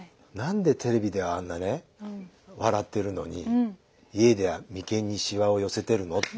「何でテレビではあんなね笑ってるのに家では眉間にしわを寄せてるの？」